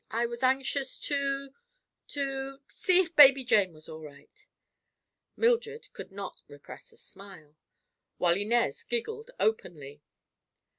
I was anxious to—to—see if baby Jane was all right." Mildred could not repress a smile, while Inez giggled openly.